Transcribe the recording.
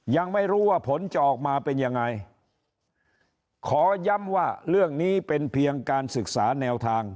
ยังไม่รู้ว่าผลจะออกมาเป็นยังไงขอย้ำว่าเรื่องนี้เป็นเพียงการศึกษาแนวทาง